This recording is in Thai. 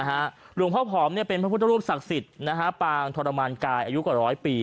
หลวงพ่อผอมเป็นพระพุทธรูปศักดิ์สิทธิ์ปางทรมานกายอายุกว่าร้อยปี